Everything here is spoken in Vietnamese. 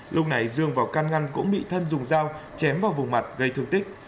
lúc này dương vào căn ngăn cũng bị thân dùng dao chém vào vùng mặt gây thương tích